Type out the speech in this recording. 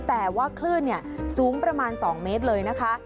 แต่ว่าคลื่นสูงประมาณ๒เมตรเลยนะคะ